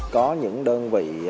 có những đơn vị